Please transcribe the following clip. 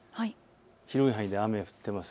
広い範囲で雨、降っています。